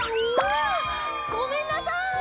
あごめんなさい。